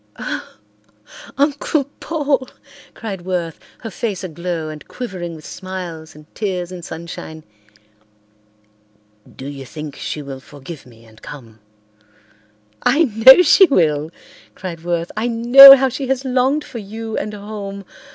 "Oh, Uncle Paul," cried Worth, her face aglow and quivering with smiles and tears and sunshine. "Do you think she will forgive me and come?" "I know she will," cried Worth. "I know how she has longed for you and home.